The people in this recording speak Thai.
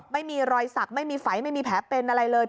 ไม่มีรอยสักไม่มีไฝไม่มีแผลเป็นอะไรเลย